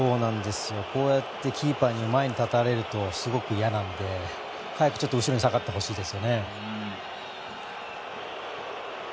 キーパーに前に立たれるとすごく嫌なので早くちょっと後ろに下がってほしいですよね。